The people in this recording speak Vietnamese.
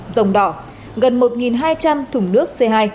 dòng đỏ gần một hai trăm linh thùng nước c hai